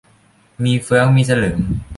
มีเฟื้องมีสลึง